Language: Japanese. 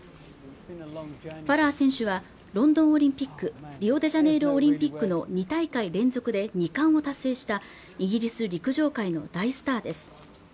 ファラー選手はロンドンオリンピックリオデジャネイロオリンピックの２大会連続で２冠を達成したイギリス陸上界の大スターです